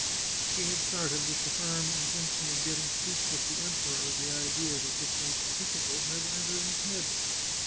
He had started with the firm intention of getting speech with the Emperor, the idea that this might be difficult never entering his head.